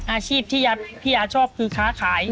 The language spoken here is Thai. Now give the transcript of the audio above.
อาชีพที่พี่อาชอบคือค้าขาย